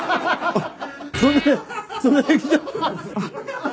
あっ。